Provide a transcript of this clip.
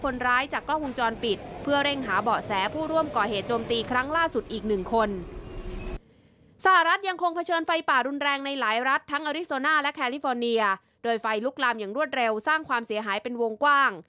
และแคลิฟอร์เนียโดยไฟลุกลามอย่างรวดเร็วสร้างความเสียหายเป็นวงกว้าง